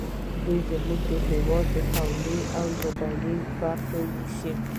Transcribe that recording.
دوی زموږ هېواد په قومي او ژبنیو برخو ویشي